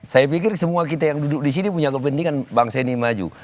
saya pikir semua kita yang duduk di sini punya kepentingan bangsa ini maju